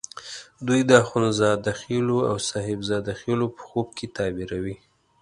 دوی د اخند زاده خېلو او صاحب زاده خېلو په خوب کې تعبیروي.